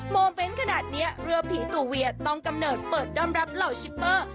โมเมนต์ขนาดนี้เรือผีตัวเวียต้องกำเนิดเปิดด้อมรับเหล่าชิปเปอร์